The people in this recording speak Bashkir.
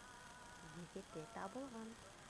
Егете табылған.